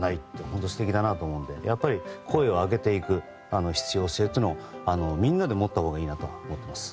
本当に素敵だなと思うので声を上げていくことの必要性というのを、みんなで持ったほうがいいと思います。